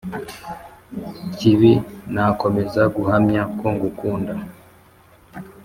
kibi nakomeza guhamya kongukunda